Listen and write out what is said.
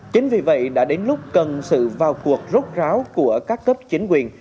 chính vì vậy đã đến lúc cần sự vào cuộc rốt ráo của các cấp chính quyền